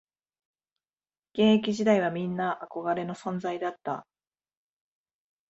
現役時代はみんな憧れの存在だった